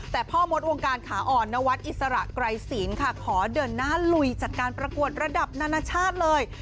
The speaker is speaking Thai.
แต่พ่อมดวงการขาอ่อนนวัดอิสระไกรศีลค่ะขอเดินหน้าลุยจัดการประกวดระดับนานาชาติเลย